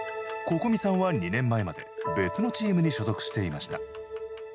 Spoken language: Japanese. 心海さんは２年前まで別のチームに所属していました。